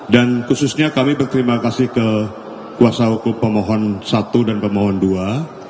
dan khususnya kami berterima kasih ke kuasa hukum pemohon satu dan pemohon dua